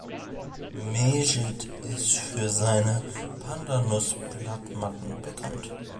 Mejit ist für seine Pandanusblattmatten bekannt.